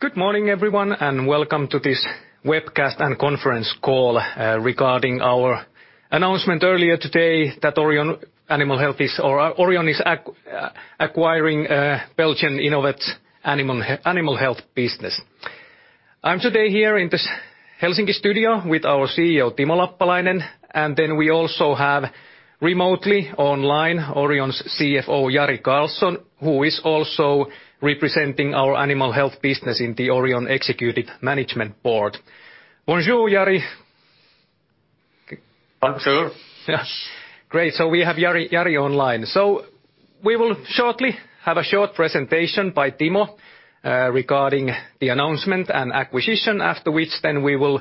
Good morning, everyone, and welcome to this webcast and conference call regarding our announcement earlier today that Orion is acquiring Belgian Innovet's Animal Health business. I'm today here in this Helsinki studio with our CEO, Timo Lappalainen, and then we also have remotely online Orion's CFO, Jari Karlson, who is also representing our Animal Health business in the Orion Executive Management Board. Bonjour, Jari. Bonjour. Yes. Great. We have Jari online. We will shortly have a short presentation by Timo regarding the announcement and acquisition, after which then we will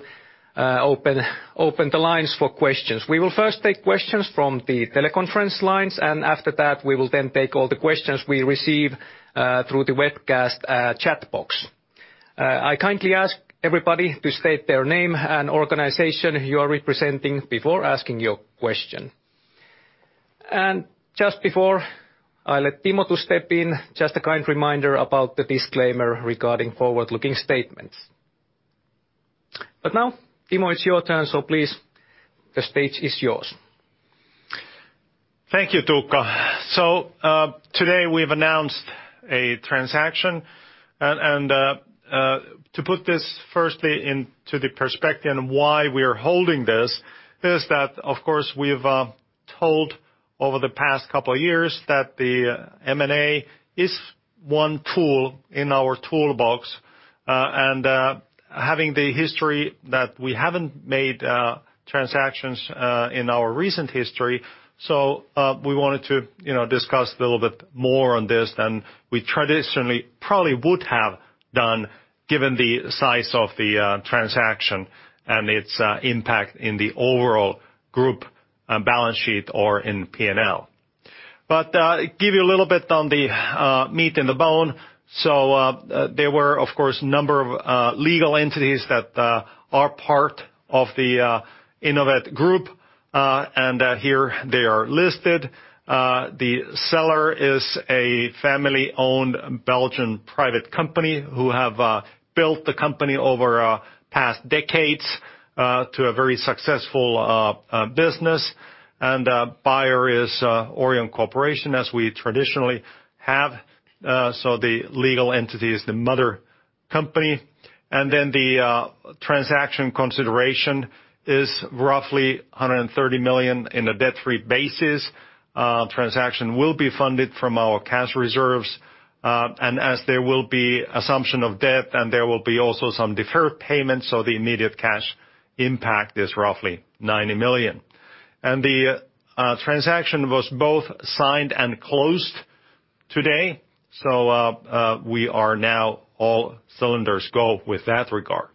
open the lines for questions. We will first take questions from the teleconference lines, and after that, we will then take all the questions we receive through the webcast chat box. I kindly ask everybody to state their name and organization you are representing before asking your question. Just before I let Timo to step in, just a kind reminder about the disclaimer regarding forward-looking statements. Now, Timo, it's your turn, so please, the stage is yours. Thank you, Tuukka. Today we've announced a transaction, and to put this firstly into the perspective why we are holding this is that, of course, we've told over the past couple of years that the M&A is one tool in our toolbox, and having the history that we haven't made transactions in our recent history, we wanted to, you know, discuss a little bit more on this than we traditionally probably would have done given the size of the transaction and its impact in the overall group balance sheet or in P&L. Give you a little bit on the meat and the bone. There were, of course, number of legal entities that are part of the Innovet group, and here they are listed. The seller is a family-owned Belgian private company who have built the company over past decades to a very successful business, and buyer is Orion Corporation, as we traditionally have, so the legal entity is the mother company. The transaction consideration is roughly 130 million on a debt-free basis. Transaction will be funded from our cash reserves, and as there will be assumption of debt, and there will be also some deferred payments, so the immediate cash impact is roughly 90 million. The transaction was both signed and closed today, so we are now all systems go in that regard.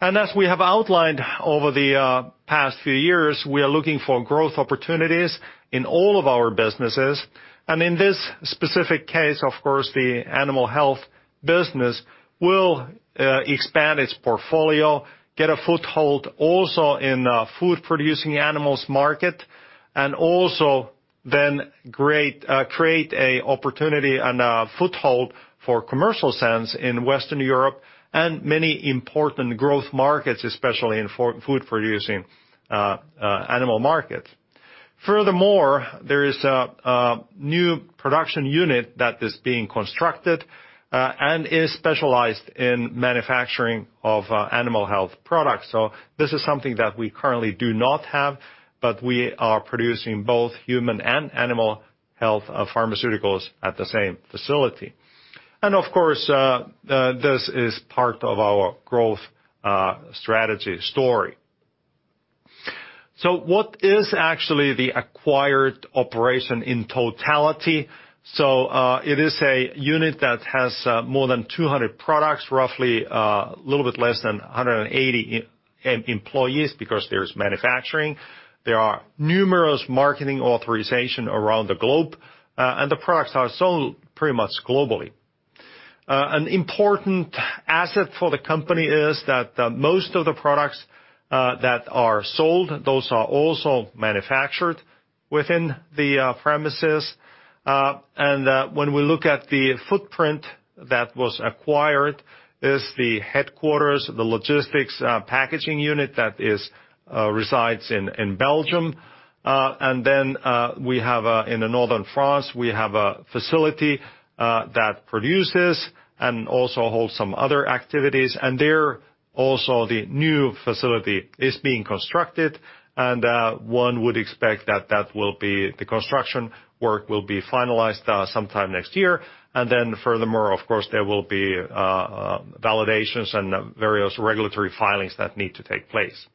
As we have outlined over the past few years, we are looking for growth opportunities in all of our businesses. In this specific case, of course, the Animal Health business will expand its portfolio, get a foothold also in food-producing animals market, and also then create a opportunity and a foothold for commercial presence in Western Europe and many important growth markets, especially in food-producing animal markets. Furthermore, there is a new production unit that is being constructed and is specialized in manufacturing of animal health products. This is something that we currently do not have, but we are producing both human and animal health pharmaceuticals at the same facility. Of course, this is part of our growth strategy story. What is actually the acquired operation in totality? It is a unit that has more than 200 products, roughly, a little bit less than 180 employees because there's manufacturing. There are numerous marketing authorizations around the globe, and the products are sold pretty much globally. An important asset for the company is that most of the products that are sold, those are also manufactured within the premises. When we look at the footprint that was acquired, is the headquarters, the logistics packaging unit that resides in Belgium. Then we have in northern France, we have a facility that produces and also holds some other activities. There also the new facility is being constructed, and one would expect that the construction work will be finalized sometime next year. Furthermore, of course, there will be validations and various regulatory filings that need to take place.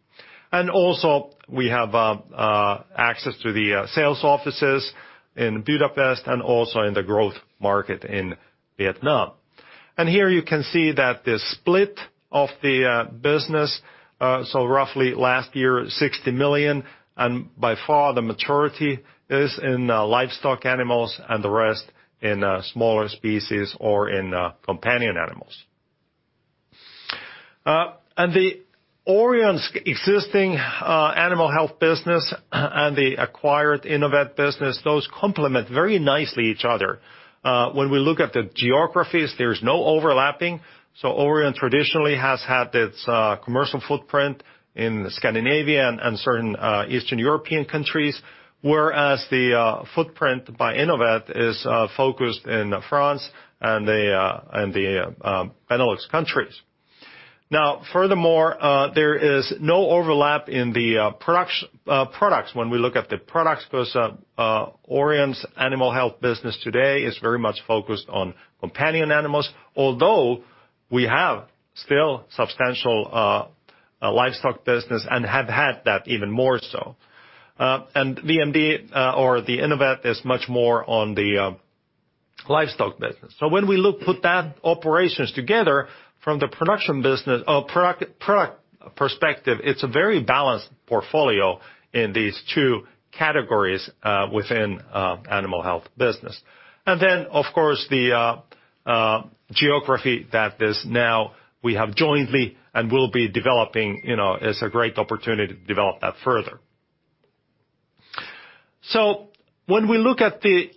Also we have access to the sales offices in Budapest and also in the growth market in Vietnam. Here you can see that the split of the business, so roughly last year, 60 million, and by far the majority is in livestock animals and the rest in smaller species or in companion animals. The Orion's existing Animal Health business and the acquired Innovet business, those complement very nicely each other. When we look at the geographies, there's no overlapping. Orion traditionally has had its commercial footprint in Scandinavia and certain Eastern European countries. Whereas the footprint by Innovet is focused in France and the Benelux countries. Now, furthermore, there is no overlap in the products. When we look at the products first, Orion's Animal Health business today is very much focused on companion animals, although we have still substantial livestock business and have had that even more so. VMD or the Innovet is much more on the livestock business. When we put that operations together from the production business or product perspective, it's a very balanced portfolio in these two categories within Animal Health business. Of course, the geography that is now we have jointly and will be developing, you know, is a great opportunity to develop that further. When we look at the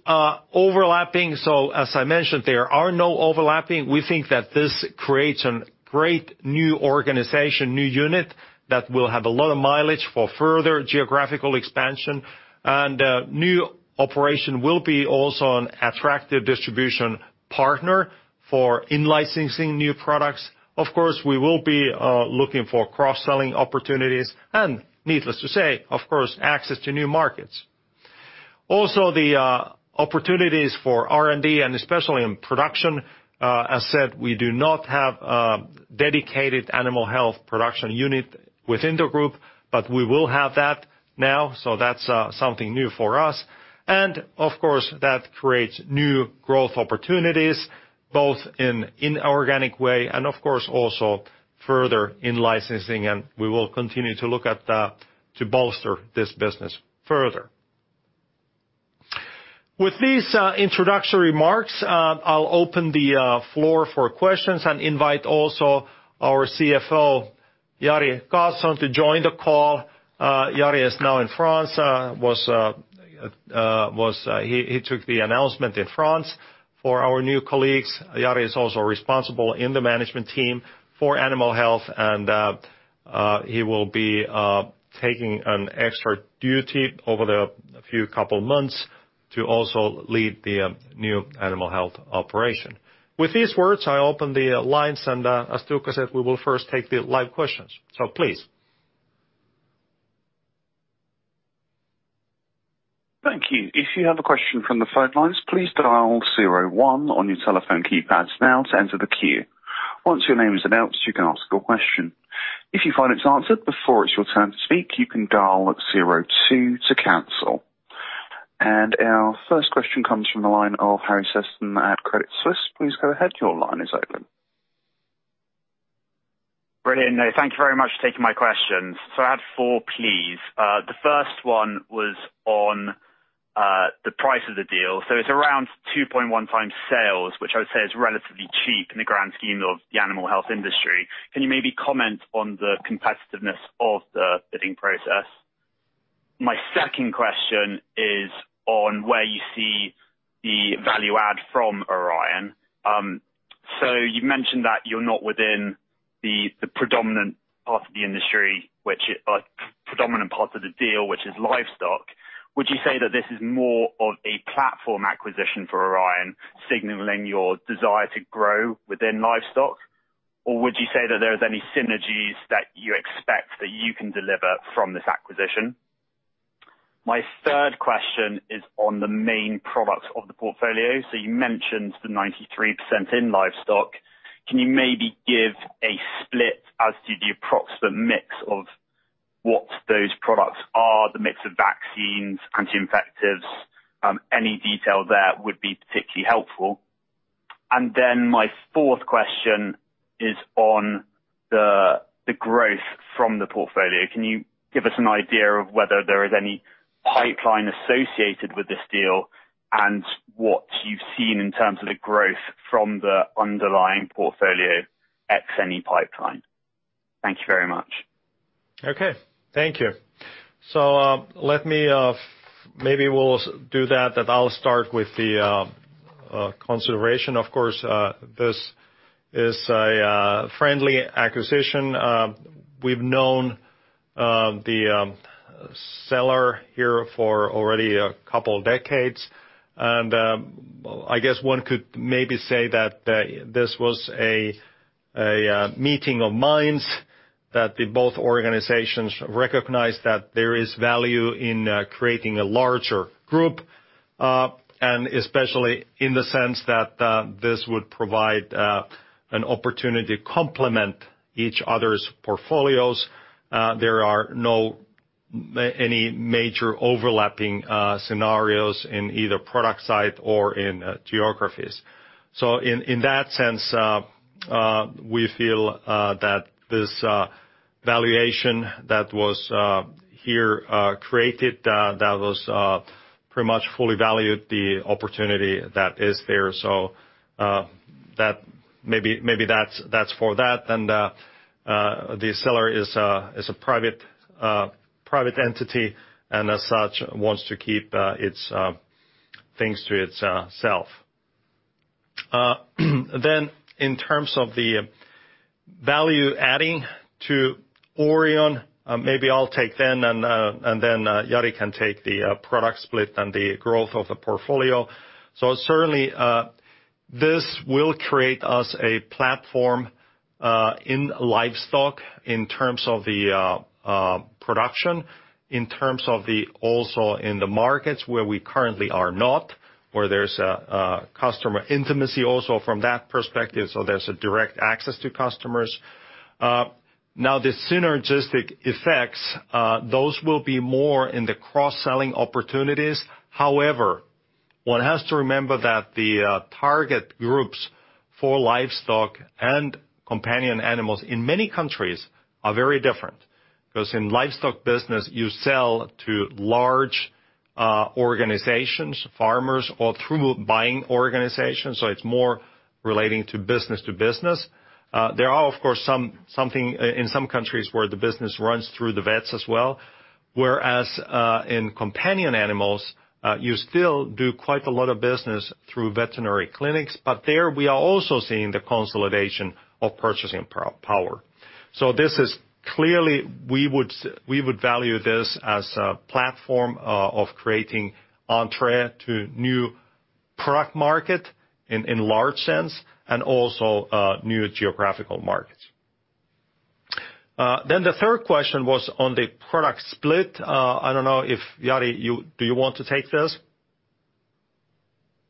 overlapping, so as I mentioned, there are no overlapping. We think that this creates a great new organization, new unit that will have a lot of mileage for further geographical expansion. New operation will be also an attractive distribution partner for in-licensing new products. Of course, we will be looking for cross-selling opportunities, and needless to say, of course, access to new markets. Also, the opportunities for R&D and especially in production, as said, we do not have dedicated animal health production unit within the group, but we will have that now. That's something new for us. Of course, that creates new growth opportunities, both in inorganic way and of course, also further in licensing, and we will continue to look at that to bolster this business further. With these introductory remarks, I'll open the floor for questions and invite also our CFO, Jari Karlson, to join the call. Jari is now in France. He took the announcement in France. For our new colleagues, Jari is also responsible in the management team for Animal Health, and he will be taking an extra duty over the next couple of months to also lead the new Animal Health operation. With these words, I open the lines, and as Tuukka said, we will first take the live questions. Please. Thank you. If you have a question from the phone lines, please dial zero one on your telephone keypads now to enter the queue. Once your name is announced, you can ask your question. If you find it's answered before it's your turn to speak, you can dial zero two to cancel. Our first question comes from the line of Harry Sephton at Credit Suisse. Please go ahead, your line is open. Brilliant. Thank you very much for taking my questions. I had four, please. The first one was on the price of the deal. It's around 2.1x sales, which I would say is relatively cheap in the grand scheme of the Animal Health industry. Can you maybe comment on the competitiveness of the bidding process? My second question is on where you see the value add from Orion. You've mentioned that you're not within the predominant part of the industry, which is livestock. Would you say that this is more of a platform acquisition for Orion, signaling your desire to grow within livestock? Or would you say that there's any synergies that you expect that you can deliver from this acquisition? My third question is on the main products of the portfolio. You mentioned the 93% in livestock. Can you maybe give a split as to the approximate mix of what those products are, the mix of vaccines, anti-infectives, any detail there would be particularly helpful. My fourth question is on the growth from the portfolio. Can you give us an idea of whether there is any pipeline associated with this deal and what you've seen in terms of the growth from the underlying portfolio ex-any pipeline? Thank you very much. Okay. Thank you. Let me maybe we'll do that. I'll start with the consideration. Of course, this is a friendly acquisition. We've known the seller here for already a couple of decades. I guess one could maybe say that this was a meeting of minds, that the both organizations recognize that there is value in creating a larger group, and especially in the sense that this would provide an opportunity to complement each other's portfolios. There are no any major overlapping scenarios in either product side or in geographies. In that sense, we feel that this valuation that was here created that was pretty much fully valued the opportunity that is there. That maybe that's for that. The seller is a private entity, and as such wants to keep its things to itself. In terms of the value adding to Orion, maybe I'll take that and then Jari can take the product split and the growth of the portfolio. Certainly this will create us a platform in livestock in terms of the production, in terms of also in the markets where we currently are not, where there's a customer intimacy also from that perspective, so there's a direct access to customers. Now the synergistic effects, those will be more in the cross-selling opportunities. However, one has to remember that the target groups for livestock and companion animals in many countries are very different. Because in livestock business, you sell to large organizations, farmers or through buying organizations, so it's more relating to business to business. There are, of course, something in some countries where the business runs through the vets as well. Whereas in companion animals, you still do quite a lot of business through veterinary clinics, but there we are also seeing the consolidation of purchasing power. This is clearly we would value this as a platform of creating entrée to new product market in large sense and also new geographical markets. The third question was on the product split. I don't know if, Jari. Do you want to take this?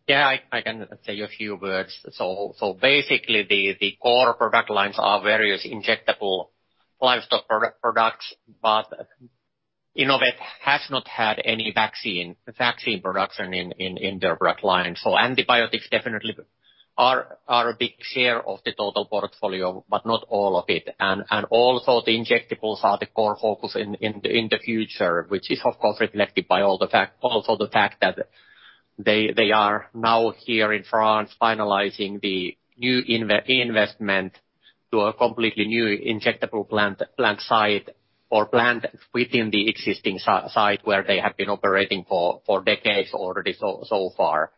Yeah, I can say a few words. Basically the core product lines are various injectable livestock products. Innovet has not had any vaccine production in their product line. Antibiotics definitely are a big share of the total portfolio, but not all of it. Also the injectables are the core focus in the future, which is of course reflected by also the fact that they are now here in France finalizing the new investment to a completely new injectable plant site or plant within the existing site where they have been operating for decades already so far.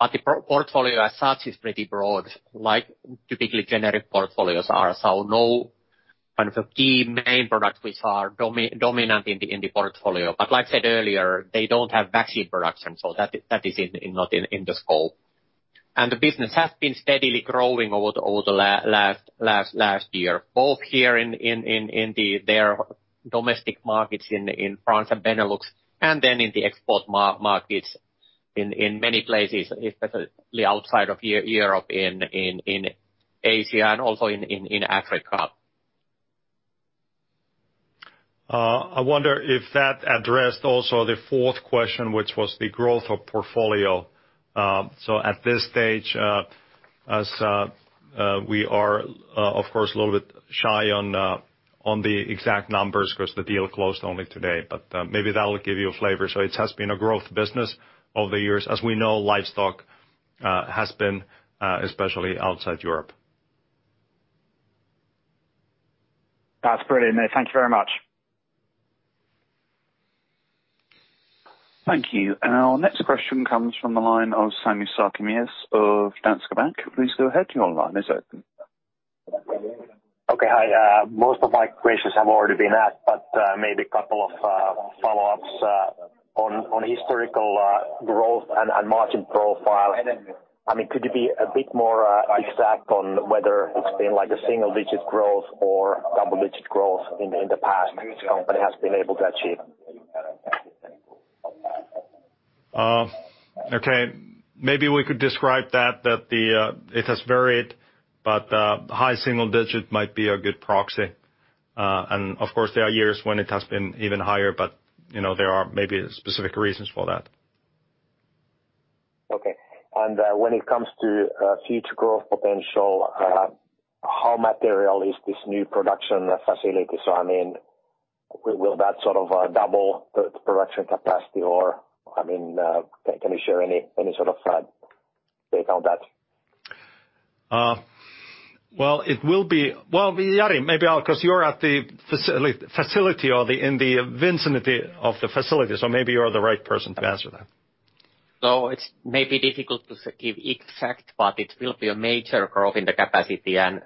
The portfolio as such is pretty broad, like typically generic portfolios are, so no kind of a key main product which are dominant in the portfolio. Like I said earlier, they don't have vaccine production, so that is not in the scope. The business has been steadily growing over the last year, both here in their domestic markets in France and Benelux, and then in the export markets in many places, especially outside of Europe, in Asia and also in Africa. I wonder if that addressed also the fourth question, which was the growth of portfolio. At this stage, as we are, of course, a little bit shy on the exact numbers 'cause the deal closed only today, but maybe that'll give you a flavor. It has been a growth business over the years. As we know, livestock has been especially outside Europe. That's brilliant. Thank you very much. Thank you. Our next question comes from the line of Sami Sarkamies of Danske Bank. Please go ahead, your line is open. Okay. Hi. Most of my questions have already been asked, but maybe a couple of follow-ups on historical growth and margin profile. I mean, could you be a bit more exact on whether it's been like a single-digit growth or double-digit growth in the past this company has been able to achieve? Okay. Maybe we could describe that it has varied, but high single digit might be a good proxy. Of course, there are years when it has been even higher, but you know, there are maybe specific reasons for that. Okay. When it comes to future growth potential, how material is this new production facility? I mean, will that sort of double the production capacity or, I mean, can you share any sort of data on that? Well, it will be. Well, Jari, maybe I'll 'cause you're at the facility or in the vicinity of the facility, so maybe you are the right person to answer that. It may be difficult to give exact, but it will be a major growth in the capacity and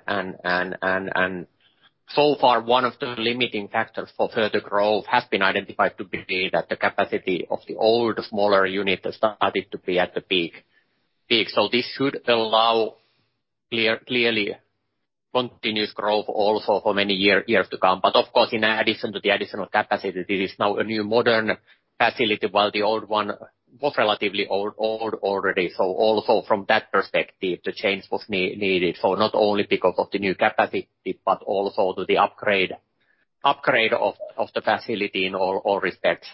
so far one of the limiting factors for further growth has been identified to be that the capacity of the older, smaller unit has started to be at the peak. This should allow clearly continuous growth also for many years to come. Of course, in addition to the additional capacity, this is now a new modern facility, while the old one was relatively old already. Also from that perspective, the change was needed. Not only because of the new capacity, but also to the upgrade of the facility in all respects.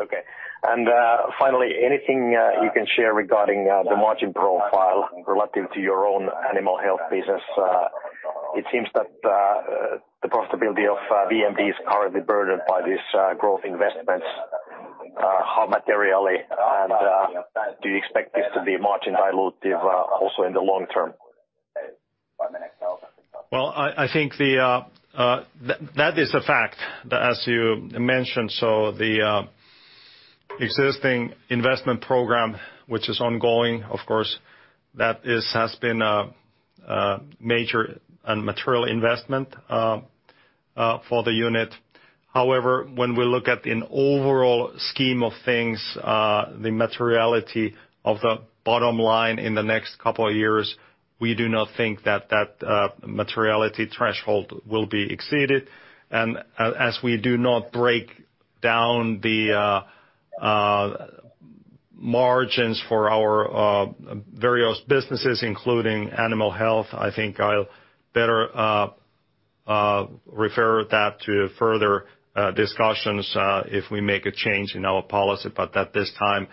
Okay. Finally, anything you can share regarding the margin profile relative to your own animal health business? It seems that the profitability of VMD is currently burdened by these growth investments materially. Do you expect this to be margin dilutive also in the long term? Well, I think that is a fact that as you mentioned, so the existing investment program, which is ongoing, of course, that has been a major and material investment for the unit. However, when we look at the overall scheme of things, the materiality of the bottom line in the next couple of years, we do not think that materiality threshold will be exceeded. As we do not break down the margins for our various businesses, including animal health, I think it'd be better to refer that to further discussions if we make a change in our policy. At this time,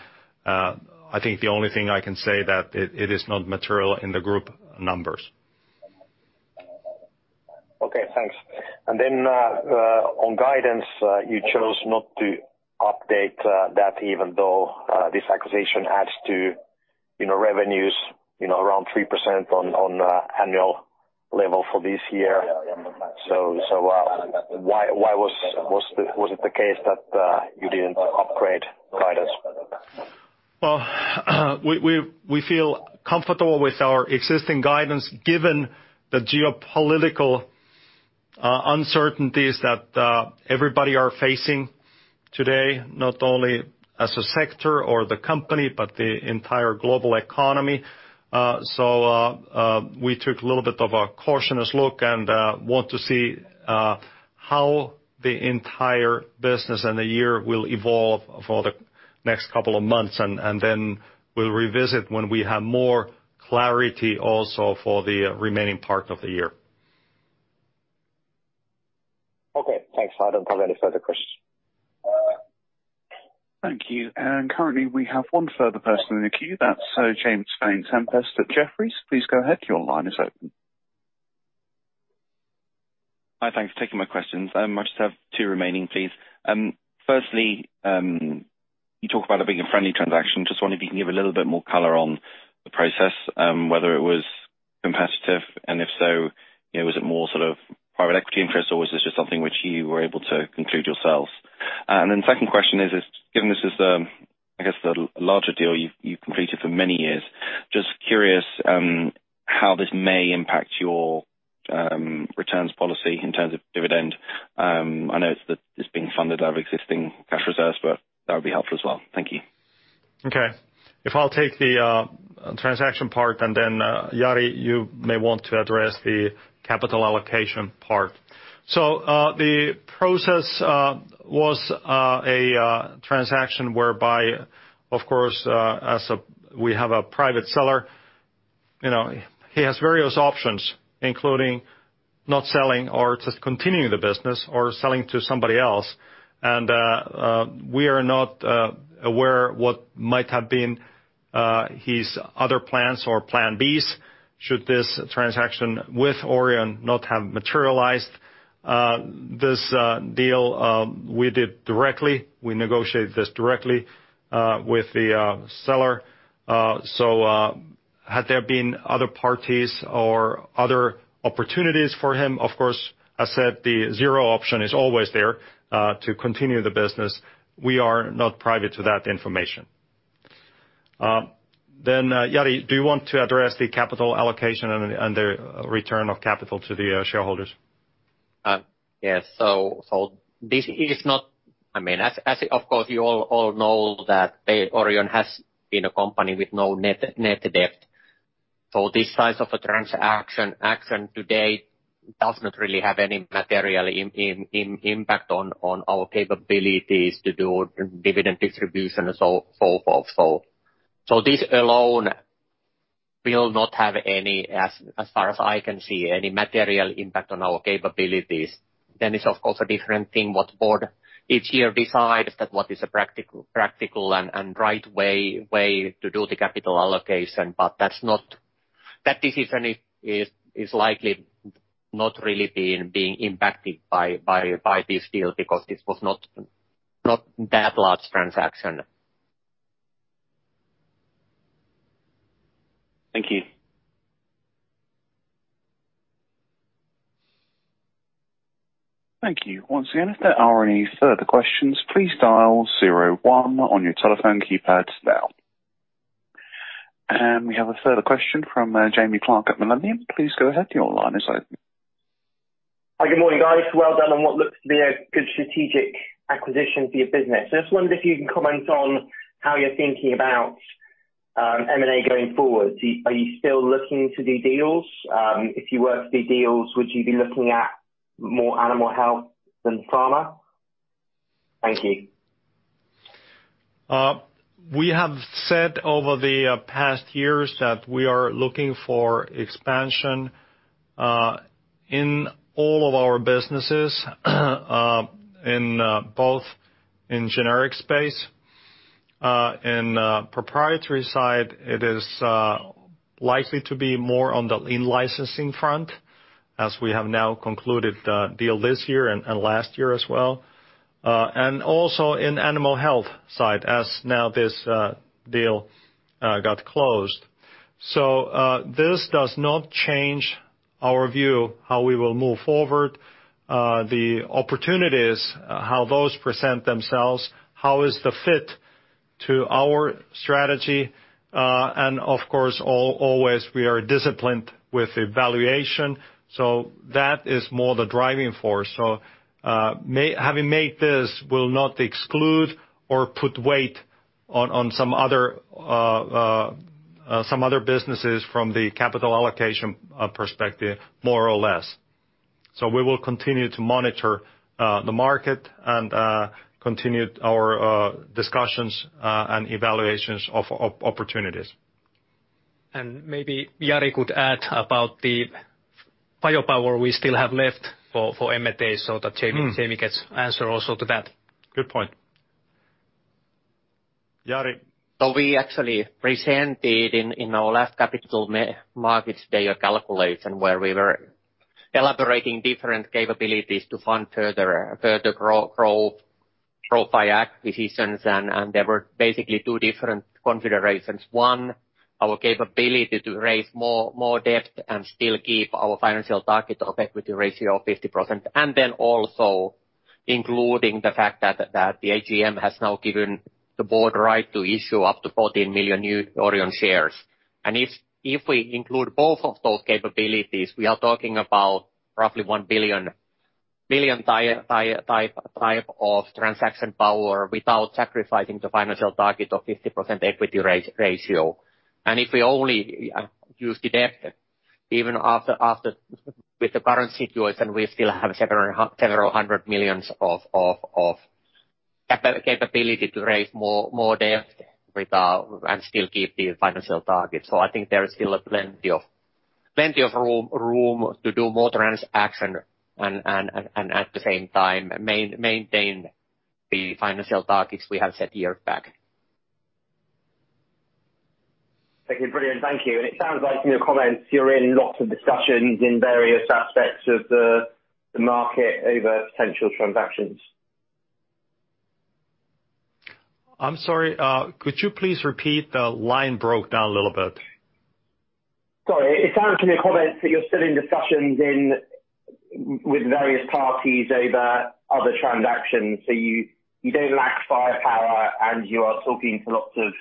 I think the only thing I can say that it is not material in the group numbers. Okay, thanks. Then, on guidance, you chose not to update that even though this acquisition adds to, you know, revenues, you know, around 3% on annual level for this year. Why was it the case that you didn't upgrade guidance? Well, we feel comfortable with our existing guidance given the geopolitical uncertainties that everybody are facing today, not only as a sector or the company, but the entire global economy. We took a little bit of a cautious look and want to see how the entire business and the year will evolve for the next couple of months. We'll revisit when we have more clarity also for the remaining part of the year. Okay, thanks. I don't have any further questions. Thank you. Currently, we have one further person in the queue. That's James Vane-Tempest at Jefferies. Please go ahead. Your line is open. Hi. Thanks for taking my questions. I just have two remaining, please. Firstly, you talk about it being a friendly transaction. Just wondering if you can give a little bit more color on the process, whether it was competitive, and if so, you know, was it more sort of private equity interest, or was this just something which you were able to conclude yourselves? Then second question is, given this is the, I guess, the larger deal you've completed for many years, just curious, how this may impact your returns policy in terms of dividend. I know it's being funded out of existing cash reserves, but that would be helpful as well. Thank you. Okay. If I'll take the transaction part, and then, Jari Karlson, you may want to address the capital allocation part. The process was a transaction whereby, of course, we have a private seller, you know, he has various options, including not selling or just continuing the business or selling to somebody else. We are not aware what might have been his other plans or plan Bs should this transaction with Orion not have materialized. This deal we did directly. We negotiated this directly with the seller. Had there been other parties or other opportunities for him, of course, I said the zero option is always there to continue the business. We are not private to that information. Jari, do you want to address the capital allocation and the return of capital to the shareholders? Yes. This is not, I mean, as of course, you all know that Orion has been a company with no net debt. This size of a transaction to date does not really have any material impact on our capabilities to do dividend distribution. This alone will not have any, as far as I can see, any material impact on our capabilities. It's of course a different thing what the board each year decides that what is a practical and right way to do the capital allocation. That decision is likely not really being impacted by this deal because this was not that large transaction. Thank you. Thank you. Once again, if there are any further questions, please dial zero one on your telephone keypad now. We have a further question from Jamie Clark at Millennium. Please go ahead. Your line is open. Hi. Good morning, guys. Well done on what looks to be a good strategic acquisition for your business. I just wondered if you can comment on how you're thinking about M&A going forward. Are you still looking to do deals? If you were to do deals, would you be looking at more animal health than pharma? Thank you. We have said over the past years that we are looking for expansion in all of our businesses, both in generic space in proprietary side. It is likely to be more on the in-licensing front as we have now concluded the deal this year and last year as well. Also in animal health side, as now this deal got closed. This does not change our view how we will move forward. The opportunities, how those present themselves, how is the fit to our strategy, and of course always we are disciplined with evaluation. That is more the driving force. Having made this will not exclude or put weight on some other businesses from the capital allocation perspective, more or less. We will continue to monitor the market and continue our discussions and evaluations of opportunities. Maybe Jari could add about the firepower we still have left for M&A so that Jamie gets answer also to that. Good point. Jari? We actually presented in our last capital markets day a calculation where we were elaborating different capabilities to fund further growth profile acquisitions. There were basically two different configurations. One, our capability to raise more debt and still keep our financial target of equity ratio of 50%, and then also including the fact that the AGM has now given the board right to issue up to 14 million new Orion shares. If we include both of those capabilities, we are talking about roughly 1 billion-type of transaction power without sacrificing the financial target of 50% equity ratio. If we only use the debt, even after with the current situation, we still have several hundred million of capability to raise more debt and still keep the financial target. I think there is still plenty of room to do more transaction and at the same time, maintain the financial targets we have set years back. Okay. Brilliant. Thank you. It sounds like from your comments, you're in lots of discussions in various aspects of the market over potential transactions. I'm sorry, could you please repeat? The line broke down a little bit. Sorry. It sounds from your comments that you're still in discussions with various parties over other transactions. You don't lack firepower and you are talking to lots of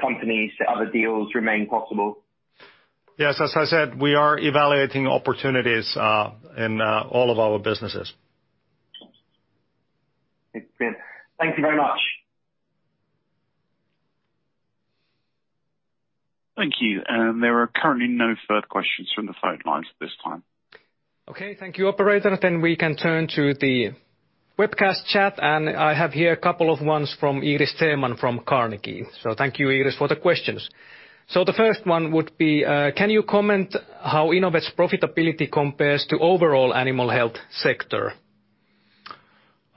companies, so other deals remain possible. Yes. As I said, we are evaluating opportunities in all of our businesses. It's good. Thank you very much. Thank you. There are currently no further questions from the sidelines at this time. Okay. Thank you, operator. We can turn to the webcast chat, and I have here a couple of ones from Iiris Theman from Carnegie. Thank you, Iiris, for the questions. The first one would be, can you comment how Innovet's profitability compares to overall Animal Health sector?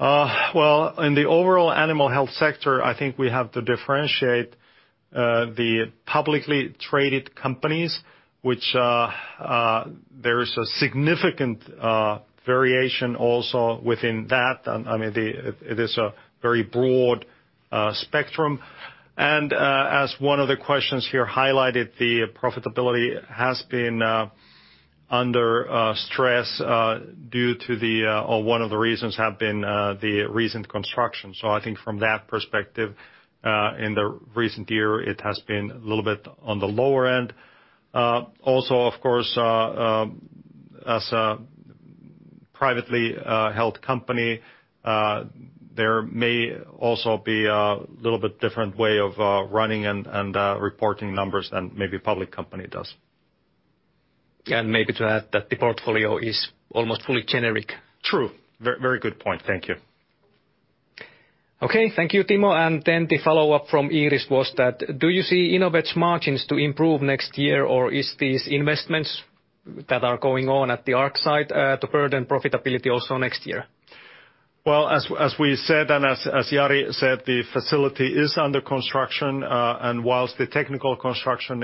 Well, in the overall Animal Health sector, I think we have to differentiate the publicly traded companies, which there is a significant variation also within that. I mean, it is a very broad spectrum. As one of the questions here highlighted, the profitability has been under stress due to the, or one of the reasons have been, the recent consolidation. I think from that perspective, in the recent year, it has been a little bit on the lower end. Also, of course, as a privately held company, there may also be a little bit different way of running and reporting numbers than maybe a public company does. Maybe to add that the portfolio is almost fully generic. True. Very good point. Thank you. Okay. Thank you, Timo. Then the follow-up from Iiris was that, do you see Innovet's margins to improve next year, or is these investments that are going on at the Innovet side, to burden profitability also next year? Well, as we said, as Jari said, the facility is under construction. While the technical construction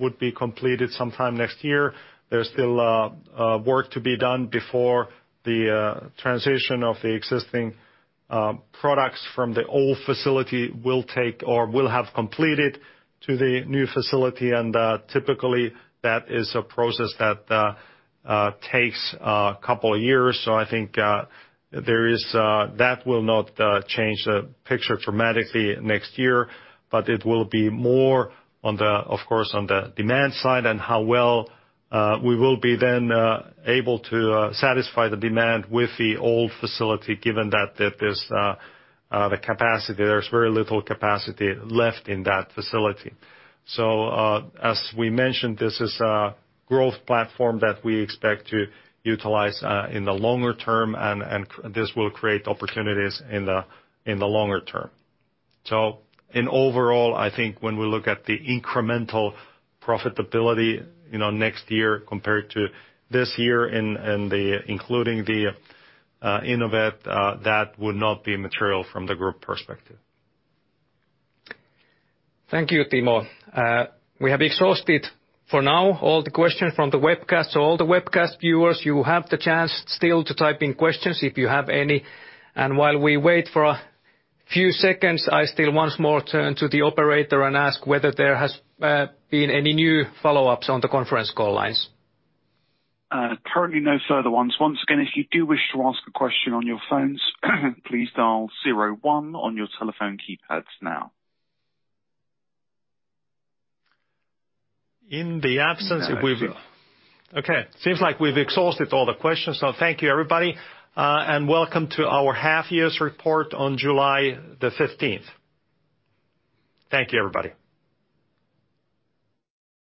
would be completed sometime next year, there's still work to be done before the transition of the existing products from the old facility will take or will have completed to the new facility. Typically that is a process that takes a couple of years. I think there is that will not change the picture dramatically next year, but it will be more on, of course, on the demand side and how well we will be then able to satisfy the demand with the old facility, given that there's the capacity, there's very little capacity left in that facility. As we mentioned, this is a growth platform that we expect to utilize in the longer term, and this will create opportunities in the longer term. Overall, I think when we look at the incremental profitability, you know, next year compared to this year and including the Innovet, that would not be material from the group perspective. Thank you, Timo. We have exhausted for now all the questions from the webcast. All the webcast viewers, you have the chance still to type in questions, if you have any. While we wait for a few seconds, I still once more turn to the operator and ask whether there has been any new follow-ups on the conference call lines. Currently no further ones. Once again, if you do wish to ask a question on your phones, please dial zero one on your telephone keypads now. In the absence of we've. No action. Okay. Seems like we've exhausted all the questions. Thank you, everybody, and welcome to our half year's report on July the 15th. Thank you, everybody.